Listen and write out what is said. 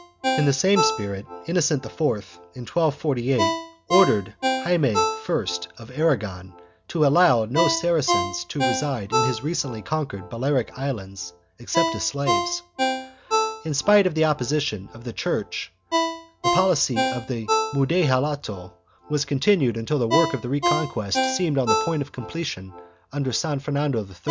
1 In the same spirit Innocent IV, in 1248, ordered Jaime I of Aragon to allow no Saracens to reside in his recently conquered Balearic Isles except as slaves.2 In spite of the opposition of the Church the policy of the mudejalato was continued until the work of the Reconquest .seemed on the point of completion under San Fernando III.